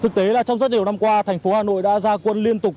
thực tế là trong rất nhiều năm qua thành phố hà nội đã ra quân liên tục